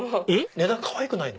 値段かわいくないの？